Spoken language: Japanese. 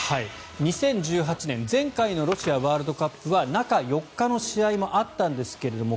２０１８年前回のロシアワールドカップは中４日の試合もあったんですけれども